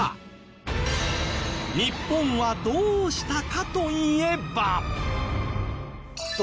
日本はどうしたかといえば